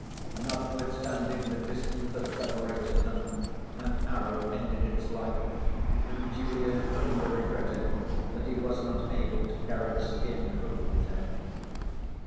Notwithstanding the distance that separated them, an arrow ended its life and Julian only regretted that he was not able to carry the skin home with him.